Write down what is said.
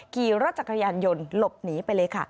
ขี่รถจักรยานยนต์หลบหนีไปเลยค่ะ